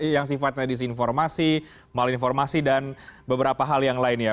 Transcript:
yang sifatnya disinformasi malinformasi dan beberapa hal yang lainnya